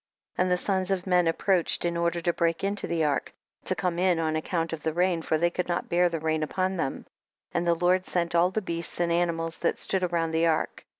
24. And the sons of men ap proached iyi order to break into the ark, to come in on account of the rain, for they could not bear the rain upon them. 25. And the Lord sent all the beasts and animals that stood round the ark.